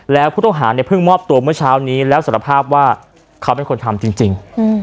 แล้วผู้ต้องหาเนี่ยเพิ่งมอบตัวเมื่อเช้านี้แล้วสารภาพว่าเขาเป็นคนทำจริง